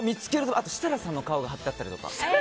あと設楽さんの顔が貼ってあったりとか。